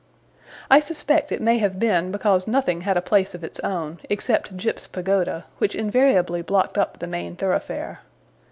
I suspect it may have been because nothing had a place of its own, except Jip's pagoda, which invariably blocked up the main thoroughfare.